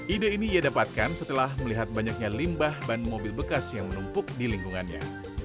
ide ini ia dapatkan setelah melihat banyaknya limbah ban mobil bekas yang menumpuk di lingkungannya